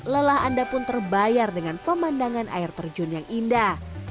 lelah anda pun terbayar dengan pemandangan air terjun yang indah